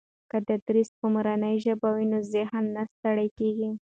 که تدریس په مورنۍ ژبه وي نو ذهن نه ستړي کېږي.